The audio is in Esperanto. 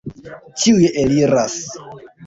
Ĉiuj eliras!